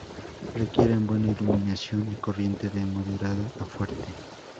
Requieren buena iluminación y corriente de moderada a fuerte.